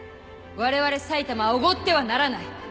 われわれ埼玉はおごってはならない。